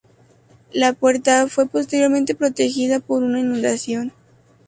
La puerta fue posteriormente protegida por una inundación.